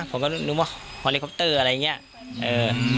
ผมก็นึงว่าฮอลี่ครอปเตอร์อะไรอย่างเงี้ยเออ